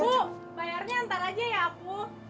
bu bayarnya ntar aja ya aku